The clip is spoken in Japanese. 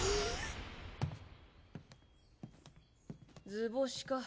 図星か。